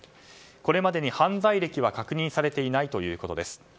これまでに犯罪歴は確認されていないということです。